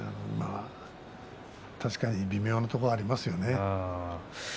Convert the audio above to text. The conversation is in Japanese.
確かに、微妙なところがありますよね。